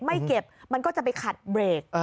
ไม่เก็บมันก็จะไปขัดเบรก